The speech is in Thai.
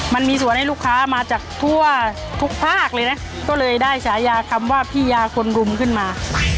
มันมีส่วนให้ลูกค้ามาจากทั่วทุกภาคเลยนะก็เลยได้ฉายาคำว่าพี่ยาคนรุมขึ้นมา